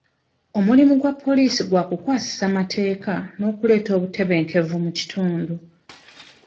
Omulimu gwa poliisi gwa kukwasisa mateeka n'okuleeta obutebenkevu mu kitundu.